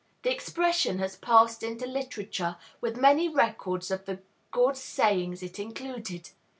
The expression has passed into literature, with many records of the good sayings it included.